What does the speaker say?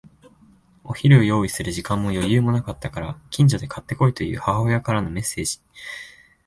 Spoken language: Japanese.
お昼を用意する時間も余裕もなかったから、近所で買って来いという母親からのメッセージ。